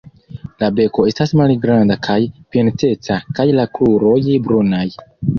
La beko estas malgranda kaj pinteca kaj la kruroj brunaj.